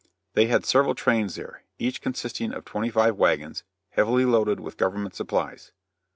They had several trains there, each consisting of twenty five wagons, heavily loaded with government supplies.